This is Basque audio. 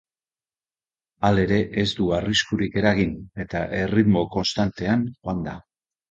Halere, ez du arriskurik eragin, eta erritmo konstantean joan da.